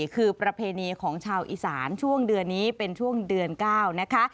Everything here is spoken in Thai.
คือประเพณีของชาวอีสานช่วงเดือนนี้เป็นช่วงเดือน๙นะคะ